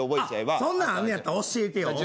そんなんあんねんやったら教えてよ。